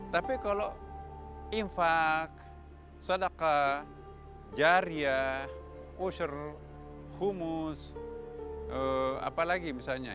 tapi kalau infak sedakah jariah usur humus apa lagi misalnya